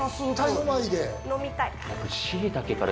飲みたい。